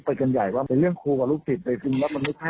ไปกันใหญ่ว่าเป็นเรื่องครูกับลูกศิษย์โดยจริงแล้วมันไม่ใช่